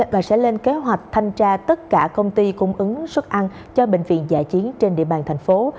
và sẽ lên kế hoạch thanh tra tất cả công ty cung ứng suất ăn cho bệnh viện dạ chiến trên địa bàn thành phố